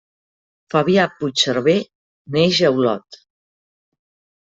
Fabià Puigserver neix a Olot.